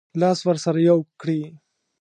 لاس ورسره یو کړي.